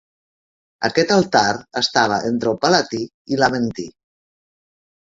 Aquest altar estava entre el Palatí i l'Aventí.